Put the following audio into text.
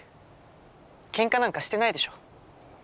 ケンカなんかしてないでしょ。